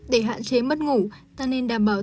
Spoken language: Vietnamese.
để hạn chế mất ngủ ta nên đảm bảo